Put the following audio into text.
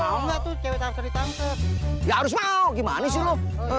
harus mau gimana sih lo